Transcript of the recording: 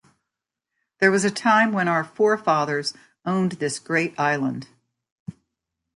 There was a time when our forefathers owned this great island.